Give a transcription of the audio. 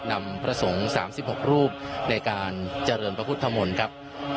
นำพระสงฆ์๓๖รูปในการเจริญพระพุทธมนต์ครับ